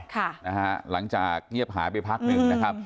ค่ะนะฮะหลังจากเงียบหายไปพักหนึ่งนะครับ